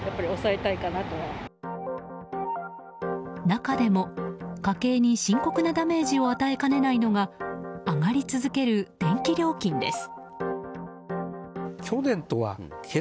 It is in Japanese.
中でも家計に深刻なダメージを与えかねないのが上がり続ける電気料金です。